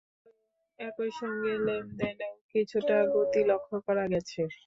একই সঙ্গে লেনদেনেও কিছুটা গতি লক্ষ করা গেছে।